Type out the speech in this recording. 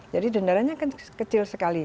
jadi dendaranya kan kecil sekali